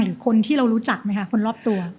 หรือคนที่เรารู้จักไหมคะคนรอบตัว